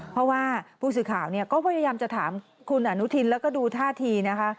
เพราะว่าผู้สื่อข่าวเนี่ยก็พยายามจะถามคุณอนุทินแล้วก็ดูท่าทีนะคะ